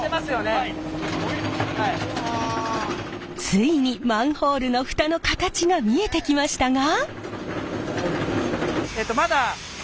ついにマンホールの蓋の形が見えてきましたが。